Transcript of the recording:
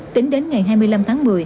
tính đến ngày hai mươi năm tháng một mươi